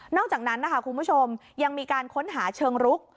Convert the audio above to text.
อกจากนั้นนะคะคุณผู้ชมยังมีการค้นหาเชิงรุก